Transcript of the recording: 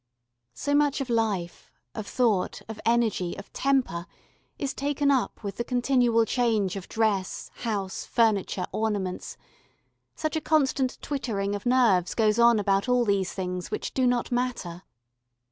So much of life, of thought, of energy, of temper is taken up with the continual change of dress, house, furniture, ornaments, such a constant twittering of nerves goes on about all these things which do not matter.